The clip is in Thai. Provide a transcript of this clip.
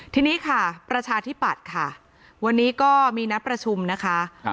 ทีนี้ค่ะประชาธิปัตย์ค่ะวันนี้ก็มีนัดประชุมนะคะ